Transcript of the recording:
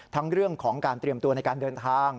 เรื่องของการเตรียมตัวในการเดินทาง